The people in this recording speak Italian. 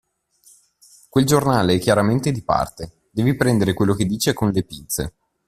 Quel giornale è chiaramente di parte, devi prendere quello che dice con le pinze.